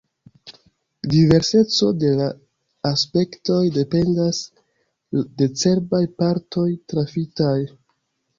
Diverseco de la aspektoj dependas de cerbaj partoj trafitaj.